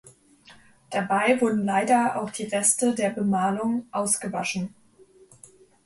Dabei wurden leider auch die Reste der Bemalung ausgewaschen.